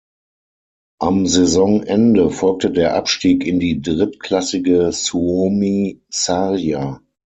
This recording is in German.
Am Saisonende folgte der Abstieg in die drittklassige Suomi-sarja.